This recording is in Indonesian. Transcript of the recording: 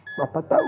kamu akan sembuh